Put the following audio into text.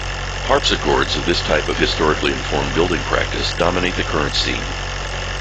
Harpsichords of this type of historically informed building practice dominate the current scene.